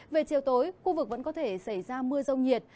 về chiều tối khu vực vẫn có thể xảy ra mưa rông nhiệt